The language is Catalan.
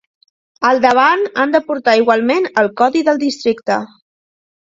Al davant han de portar igualment el codi del districte.